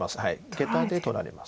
ゲタで取られます。